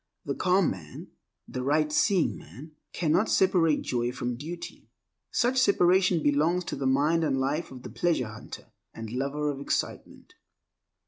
The calm man, the right seeing man, cannot separate joy from duty. Such separation belongs to the mind and life of the pleasure hunter and lover of excitement.